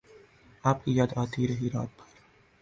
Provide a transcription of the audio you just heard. آپ کی یاد آتی رہی رات بھر